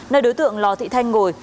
nơi đối tượng lò thị thanh ngồi